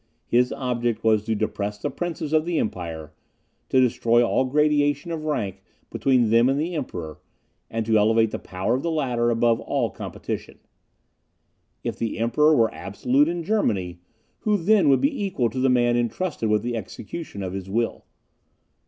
His object was to depress the princes of the empire, to destroy all gradation of rank between them and the Emperor, and to elevate the power of the latter above all competition. If the Emperor were absolute in Germany, who then would be equal to the man intrusted with the execution of his will?